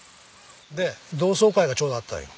で同窓会がちょうどあったんよ。